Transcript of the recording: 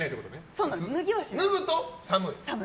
脱ぐと寒い。